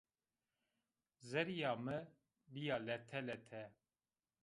Zerrîya mi bîya lete-lete